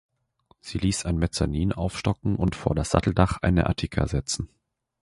Sie ließ ein Mezzanin aufstocken und vor das Satteldach eine Attika setzen.